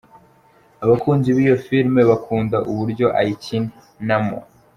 Abakunzi b’iyo filime bakunda uburyo ayikinamo.